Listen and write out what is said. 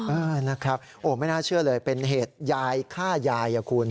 เออนะครับโอ้ไม่น่าเชื่อเลยเป็นเหตุยายฆ่ายายอ่ะคุณ